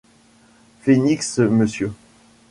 Phoenix Mr.